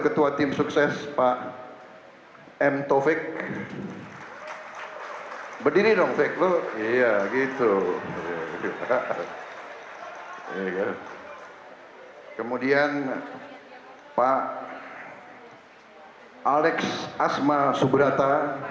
ketua tim sukses pak m tovik berdiri dong teklu iya gitu kemudian pak hai alex asma subrata